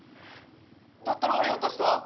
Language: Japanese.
だったらオリオンたちとは？